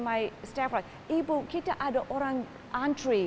dan para pekerja saya bilang ibu kita ada orang antri